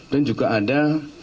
dan juga ada